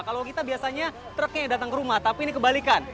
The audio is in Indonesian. kalau kita biasanya truknya datang ke rumah tapi ini kebalikan